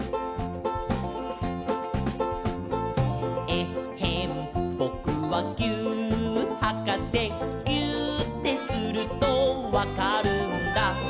「えっへんぼくはぎゅーっはかせ」「ぎゅーってするとわかるんだ」